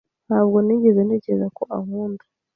Ntabwo nigeze ntekereza ko ankunda.